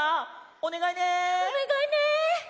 おねがいね！